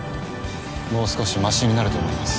もう少しましになると思います。